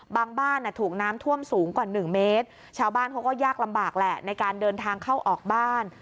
บ้านถูกน้ำท่วมสูงกว่าหนึ่งเมตรชาวบ้านเขาก็ยากลำบากแหละในการเดินทางเข้าออกบ้าน